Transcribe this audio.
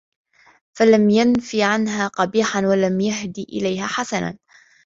فَلَمْ يَنْفِ عَنْهَا قَبِيحًا وَلَمْ يَهْدِ إلَيْهَا حَسَنًا